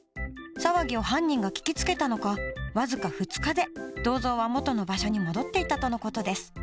騒ぎを犯人が聞きつけたのか僅か２日で銅像は元の場所に戻っていたとの事です。